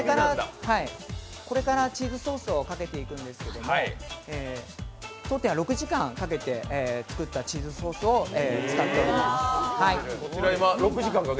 これからチーズソースをかけていくんですけれども、当店は６時間かけて作ったチーズソースを使っております。